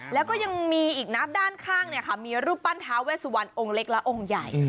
แล้วก็ยังมีอีกนับด้านข้างเนี่ยค่ะมีรูปปั้นเท้าแว่สวรรค์องค์เล็กและองค์ใหญ่